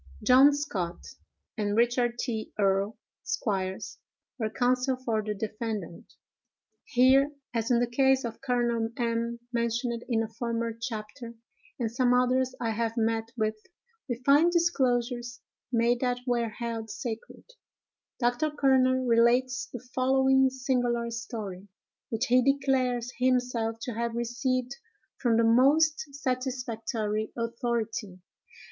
"John Scott and Richard T. Earl, Esqs., were counsel for the defendant." Here, as in the case of Col. M——, mentioned in a former chapter, and some others I have met with, we find disclosures made that were held sacred. Dr. Kerner relates the following singular story, which he declares himself to have received from the most satisfactory authority.